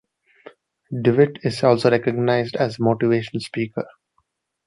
Dewitt is also recognized as motivational speaker.